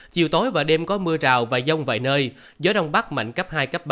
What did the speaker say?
chiều tối và đêm có mưa rào và dông vài nơi gió đông bắc mạnh cấp hai ba